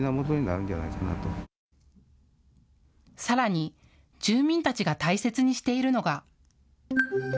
さらに住民たちが大切にしているのが。